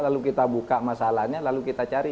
lalu kita buka masalahnya lalu kita cari